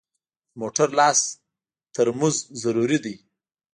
د موټر لاس ترمز ضروري دی.